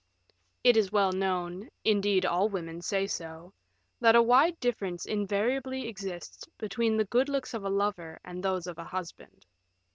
It is well known indeed all women say so that a wide difference invariably exists between the good looks of a lover and those of a husband.